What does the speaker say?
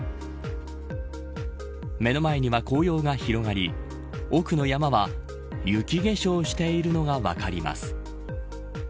目の前には紅葉が広がり奥の山は雪化粧しているのが分かります。